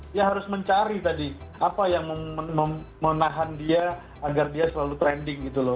dia harus mencari tadi apa yang menahan dia agar dia selalu trending gitu loh